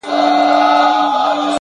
حقیقت تل خپله لاره پیدا کوي